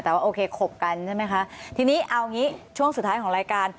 แต่ว่าโอเคขบกันใช่ไหมคะทีนี้เอางี้ช่วงสุดท้ายของรายการ